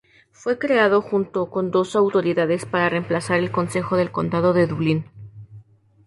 Fue creado junto con dos autoridades para reemplazar el Consejo del Condado de Dublín.